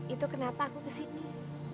itu kenapa aku kesini